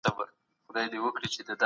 د مور شیدې د ماشوم لپاره غوره دي.